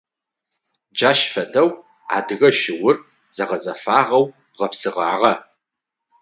Джащ фэдэу адыгэ шыур зэгъэзэфагъэу гъэпсыгъагъэ.